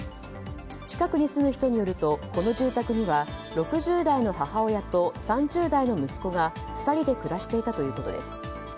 近くに住む人によるとこの住宅には６０代の母親と３０代の息子が２人で暮らしていたということです。